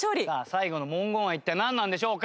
最後の文言は一体なんなんでしょうか？